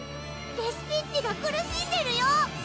レシピッピが苦しんでるよ！